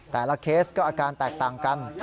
เคสก็อาการแตกต่างกัน